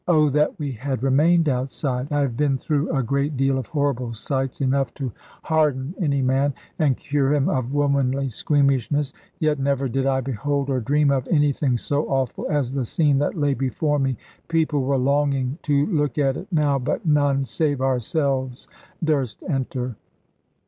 Oh that we had remained outside! I have been through a great deal of horrible sights, enough to harden any man, and cure him of womanly squeamishness. Yet never did I behold, or dream of, anything so awful as the scene that lay before me. People were longing to look at it now, but none (save ourselves) durst enter.